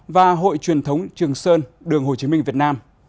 và hội truyền thống trường sơn đường hồ chí minh việt nam